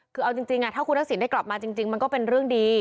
คือเอาจริงถ้าคุณทักษิณได้กลับมาจริงมันก็เป็นเรื่องดี